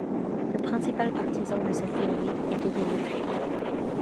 Le principal partisan de cette théorie était Démocrite.